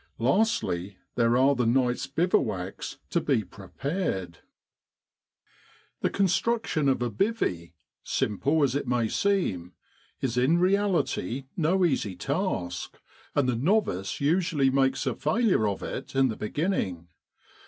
Lastly, there are the night's bivouacs to be prepared. The construction of a "bivvy,*' simple as it may seem, is in reality no easy task, and the novice usually makes a failure of it in the beginning.